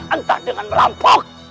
entah dengan merampok